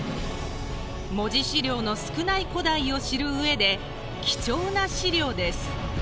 文字資料の少ない古代を知るうえで貴重な資料です。